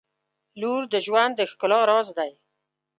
• لور د ژوند د ښکلا راز دی.